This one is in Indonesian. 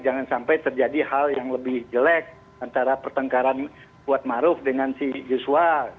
jangan sampai terjadi hal yang lebih jelek antara pertengkaran kuatmaruf dengan si yuswa